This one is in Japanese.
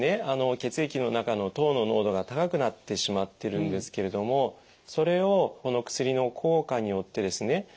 あの血液の中の糖の濃度が高くなってしまってるんですけれどもそれをこの薬の効果によってですね